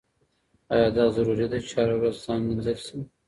ایا دا ضروري ده چې هره ورځ ځان مینځل شي؟